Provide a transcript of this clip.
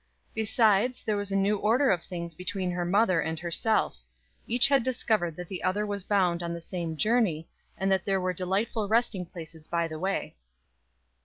Besides, there was a new order of things between her mother and herself; each had discovered that the other was bound on the same journey, and that there were delightful resting places by the way.